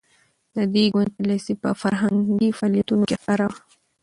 د دې ګوند پالیسي په فرهنګي فعالیتونو کې ښکاره وه.